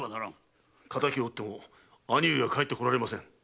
敵を討っても義兄上は帰ってこられません。